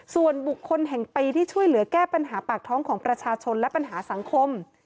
ส่วนบุคคลแห่งปีที่ช่วยเหลือแก้ปัญหาปากท้องของประชาชนและปัญหาสังคม